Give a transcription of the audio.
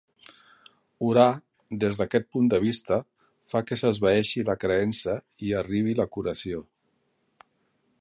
Orar des d'aquest punt de vista fa que s'esvaeixi la creença i arribi la curació.